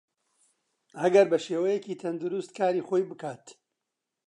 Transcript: ئەگەر بەشێوەیەکی تەندروست کاری خۆی بکات